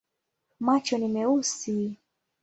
Macho ni meusi.